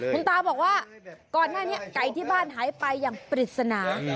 คุณตาบอกว่าก่อนหน้านี้ไก่ที่บ้านหายไปอย่างปริศนา